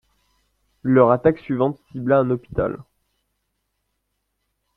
Leur attaque suivante cibla un hôpital.